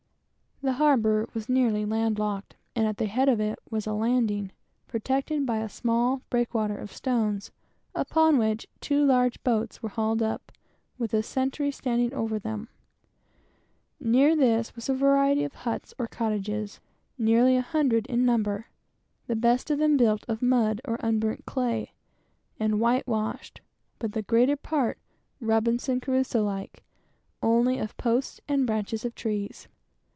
The harbor was nearly land locked, and at the head of it was a landing place, protected by a small breakwater of stones, upon which two large boats were hauled up, with a sentry standing over them. Near this was a variety of huts or cottages, nearly an hundred in number, the best of them built of mud and white washed, but the greater part only Robinson Crusoe like of posts and branches of trees.